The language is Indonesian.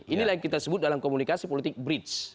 inilah yang kita sebut dalam komunikasi politik bridge